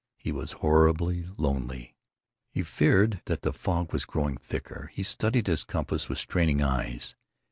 He was horribly lonely. He feared that the fog was growing thicker. He studied his compass with straining eyes.